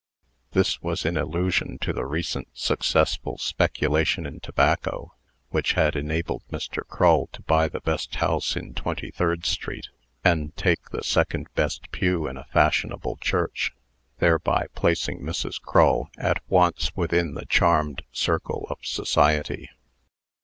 This was in allusion to the recent successful speculation in tobacco, which had enabled Mr. Crull to buy the best house in Twenty third street, and take the second best pew in a fashionable church, thereby placing Mrs. Crull at once within the charmed circle of society.